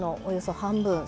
およそ半分。